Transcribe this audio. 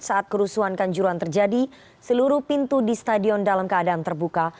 saat kerusuhan kanjuruan terjadi seluruh pintu di stadion dalam keadaan terbuka